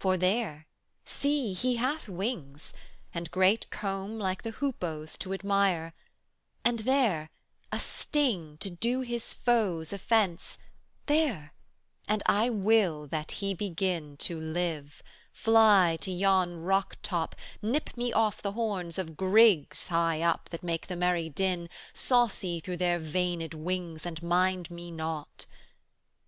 for, there, see, he hath wings, And great comb like the hoopoe's to admire, And there, a sting to do his foes offense, 80 There, and I will that he begin to live, Fly to yon rock top, nip me off the horns Of grigs high up that make the merry din, Saucy through their veined wings, and mind me not.